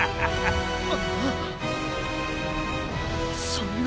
そんな。